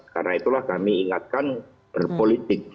karena itulah kami ingatkan berpolitik